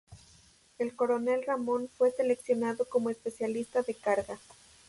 El Coronel Ramon fue seleccionado como Especialista de Carga.